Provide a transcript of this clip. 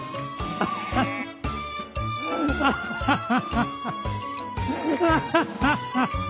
アハハハハハハ！